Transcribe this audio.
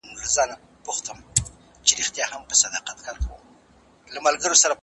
نوموړی د شراکت فرهنګ د پياوړتيا په اړه خبري کوي.